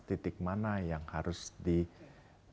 yang harus diperhatikan yang harus diperhatikan